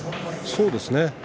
そうです。